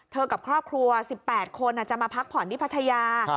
กับครอบครัว๑๘คนจะมาพักผ่อนที่พัทยา